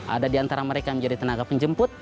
ada di antara mereka yang menjadi tenaga penjemput